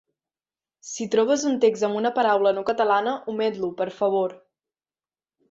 Si trobes un text amb una paraula no catalana, omet-lo, per favor!